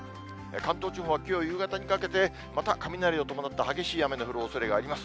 関東地方はきょう夕方にかけて、また雷を伴った激しい雨の降るおそれがあります。